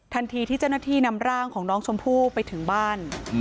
ทันทีที่เจ้าหน้าที่นำร่างของน้องชมพู่ไปถึงบ้าน